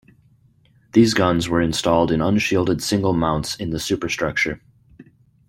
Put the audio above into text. These guns were installed in unshielded single mounts in the superstructure.